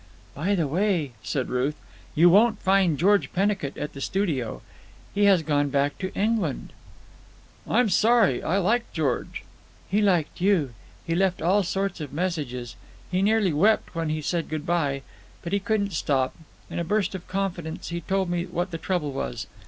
"By the way," said Ruth, "you won't find George Pennicut at the studio. He has gone back to England." "I'm sorry. I liked George." "He liked you. He left all sorts of messages. He nearly wept when he said good bye. But he wouldn't stop. In a burst of confidence he told me what the trouble was.